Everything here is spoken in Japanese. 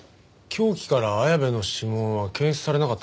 凶器から綾部の指紋は検出されなかったんだよね？